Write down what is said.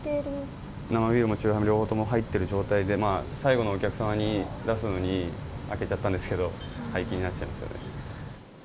生ビールも酎ハイも両方とも入っている状態で、最後のお客様に出すのに開けちゃったんですけど、廃棄になっちゃいますよね。